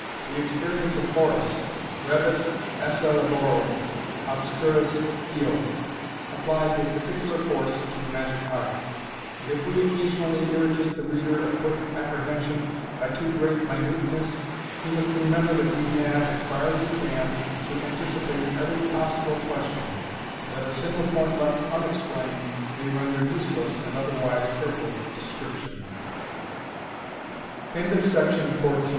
The experience of Horace, " Brevis esse laboro, obscurusjio" applies with peculiar force to the magic art ; and if we occasionally irritate the reader of quick apprehension by too great minuteness, he must remember that we have, as far as we can, to anticipate every possible question, and that a single point left unexplained may render useless an otherwise careful desc